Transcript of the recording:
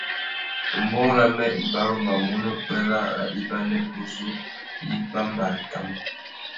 Umbōh râmê i barumanú nà upwê râā râ ibanê uzu i bambarétamú.